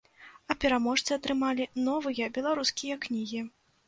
А пераможцы атрымалі новыя беларускія кнігі.